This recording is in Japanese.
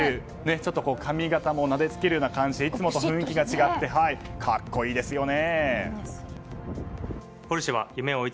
ちょっと髪形もなでつけるような感じでいつもと雰囲気が違って格好いいですよね。